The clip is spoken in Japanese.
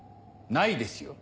ないですよ。